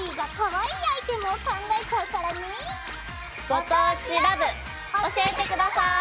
「ご当地ＬＯＶＥ」教えて下さい！